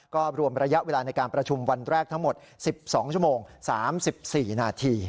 ก็รวมระยะเวลาในการประชุมวันแรกทั้งหมด๑๒ชั่วโมง๓๔นาที